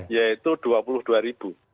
yaitu dua puluh dua ribu